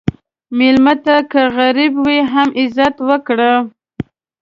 مېلمه ته که غریب وي، هم عزت ورکړه.